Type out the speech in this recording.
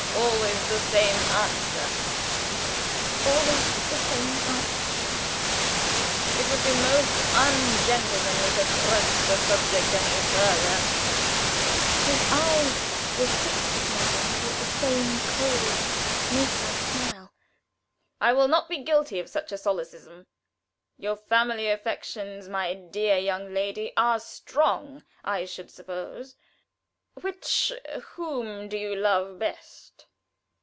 "Always the same answer?" "Always the same, Sir Peter." "It would be most ungentlemanly to press the subject any further." His eyes were fixed upon me with the same cold, snake like smile. "I will not be guilty of such a solecism. Your family affections, my dear young lady, are strong, I should suppose. Which whom do you love best?"